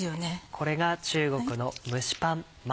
これが中国の蒸しパンま